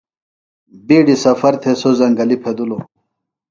بیڈیۡ سفر تھےۡ سوۡ زنگلیۡ پھیدِلوۡ۔